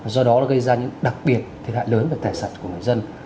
do đó đã gây ra những đặc biệt thiệt hại lớn về tài sản của người dân